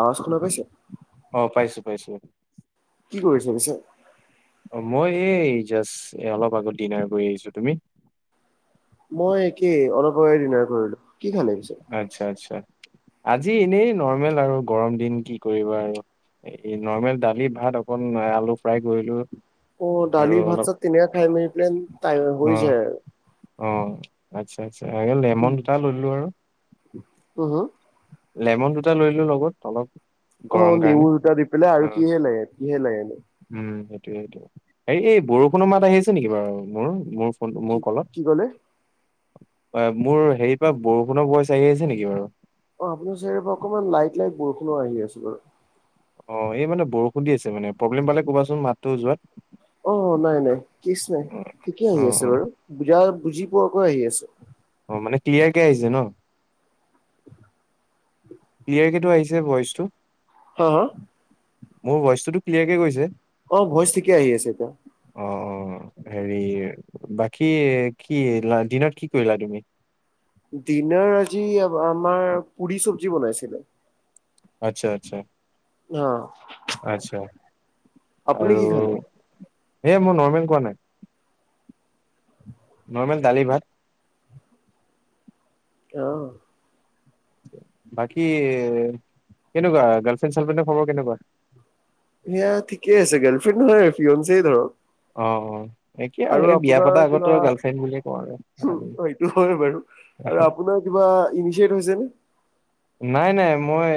আৱাজ শুনা পাইছে। অ পাইছো পাইছো কি কৰিছ পিছে? অ মই এই জাষ্ট অলপ আগত ডিনাৰ কৰি আহিছো তুমি? মই একেই অলপ ডিনাৰ কৰিলো। কি খালে পিছে? আচ্ছা আচ্ছা আজি এনেই নৰ্মেল আৰু গৰম দিন কি কৰিবা আৰু এই নৰ্মেল দালি ভাত অকন আলু ফ্ৰাই কৰিলো। অ, আৰু ডালি ভাত অলপ চাত তেতিনে খাই মেলি পনাই অ হৈ যায় আৰু। অ, আচ্ছা-আচ্ছা লেমন দুটা লৈ ললোঁ আৰু। উম, হম, লেমন দুটা লৈল লগত অলপ। অ' গৰম কাৰণে নিমুৰ দুটা দি পেলাই, অ আৰু কিহে লাগে কিহে লাগে। উম সেইটোয়ে সেইটো হে এই বৰষুণৰ মাত আহিছে নেকি, বাৰু মোৰ, মোৰ কি মোৰ কলত, কি ক'লে? মোৰ হেৰি পৰা বৰষুণৰ বয়চ আহি আছে নেকি বাৰু? অ' আপোনাৰ চাৰি পৰা অকনমান লাইট লাইট বৰষুণো আহি আছে বাৰু। অ' এই মানে বৰষুণ দি আছে মানে প্ৰব্লেম পালে ক'বাচোন মাতটো যোৱাত। অ' নাই নাই কেচ নাই ঠিকে আহি অ আছে বাৰু বুজা বুজি পোৱাকৈ আহি আছে। অ' মানে ক্লিয়াৰ কে আহিছে ন। ক্লিয়াৰকটো আহিছে ভইচটো? হা হা? মোৰ ভইচটোতো ক্লিয়াৰকে গৈছে? অ' ভইজ ঠিকি আহি আছে এতিয়া। অ' অ' হেৰি বাকী কি দিনত কি কৰিলা তুমি? দিনাৰ আজি আমাৰ পুৰি চব্জি বনাইছিলে। আচ্ছা আচ্ছা, হা। আচ্ছা। আপুনি আৰু কি খালে? এ মই নৰ্মেল কোৱা নাই। নৰ্মেল দালি ভাত। অ'। বাকী, কেনেকুৱা গাৰ্লফ্ৰেণ্ড চাৰ্ফ্ৰেণ্ড খবৰ কেনেকুৱা? এয়া, ঠিকেই আছে, গাৰ্লফ্ৰেণ্ড নহয় আৰু ফিয়নছেই ধৰক। অ' অ'। একেই আৰু এই বিয়া আপোনাৰ পতাৰ আগতো কিবা আৰু গাৰ্লফ্ৰেণ্ড বুলিয়ে কওঁ আৰু সেইটো হয় বাৰু আৰু আপোনাৰ কিবা ইন্নিচিয়েত হৈছে নে? নাই নাই, মই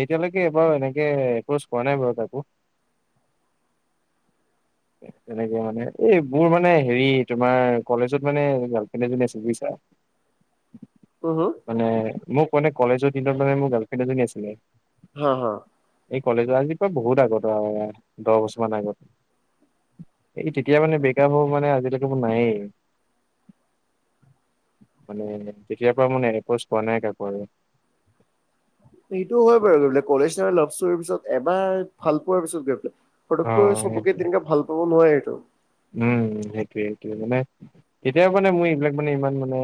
এতিয়ালৈকে এইবাৰ এনেকে এপৰছ কৰা নাই বাৰু কাকো। তেনেকে মানে এই মোৰ মানে হেৰি তোমাৰ কলেজত মানে গাৰ্লফ্ৰেণ্ড এজনি আছে বুজিছা। [inaudible] হম হম? মানে মোক মানে কলেজৰ দিনত মানে মোৰ গাৰ্লফ্ৰেণ্ড এজনী আছিলে। হয় হয়। এই কলেজৰ আজিৰ পৰা বহুত আগত আৰু দহ বছৰ মান আগত। এই তেতিয়া মানে ব্ৰেকআপ হোৱা মানে আজিলৈকে মোৰ নায়েই। মানে তেতিয়াৰ পৰা মানে এপচ পোৱা নাই কাকো আৰু। সেইটো হয় বাৰু কলেজ লভ চোৱাৰ পিছত এবাৰ ভাল পোৱাৰ পিছত গৈ পেলাই অ' পটককৈ চবকে সেইটোৱে। তেনেকে ভাল পাব নোৱাৰে টো। উম সেইটোৱে সেইটোৱে মানে তেতিয়াও মানে মোই এইবিলাক মানে ইমান মানে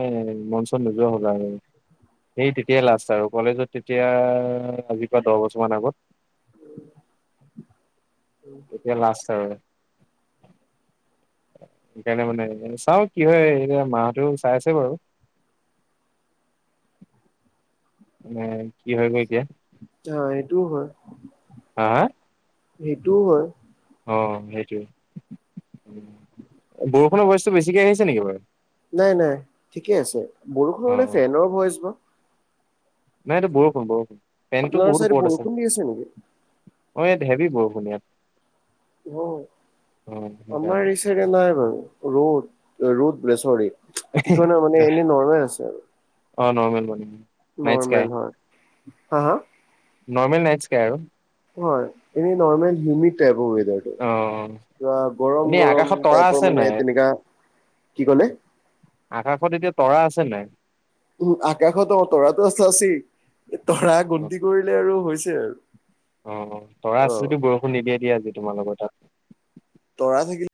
মন চন নোযোৱা হ'ল আৰু। সেই তেতিয়াই লাষ্ট আৰু কলেজত তেতিয়া আজিৰপৰা দহ বছৰমান আগত। এয়া লাছ্ত আৰু। সেইকাৰণে মানে চাওঁ কি হয় এতিয়া মাহতো চাই আছে বাৰু। এ কি হৈ গ'ল এতিয়া। অ' সেইটোও হয়। হা হা? সেইটোও হয়। অ', সেইটোৱে বৰষুণৰ ভইচটো বেছিকৈ আহিছে নেকি বাৰু? নাই নাই ঠিকে আছে, অ বৰষুণে ফেনৰ ভইচ বা? নাই এইটো বৰষুণ, বৰষুণ ফেনটো আপোনাৰ বহুত চাইডে ওপৰত আছে। বৰষুণ দি নেকি অ' ইয়াত হেবি বৰষুণ ইয়াত। অ' অ আমাৰ সেইকাৰণে এইচাইদে নাই বাৰু ৰ'দ ৰ'দ বোলে চৰি কি কয় ন মানে এনে নৰ্মেল আছে, আৰু অ নৰ্মেল মানে নাইট স্কাই নৰ্মেল হয়। হা হা? নৰ্মেল [unintelligible] আৰু। হয় এনে নৰ্মল হিউমিদ তাইপ ৱেডাৰটো। অ কিবা গৰম এনেই গৰম আকাশত তৰা টাইপৰ আছে মানে নাই তেনেকা কি কলে? আকাশত এতিয়া তৰা আছে নাই? উম, আকাশতটো তৰাটো আছে, আছেই। এই তৰা গন্তি কৰিলে আৰু হৈছে আৰু। অ', তৰা অ আছে যদি বৰষুণ নিদিয়ে দিয়া আজি তোমাৰ লগৰ তাত। তৰা থাকিলে।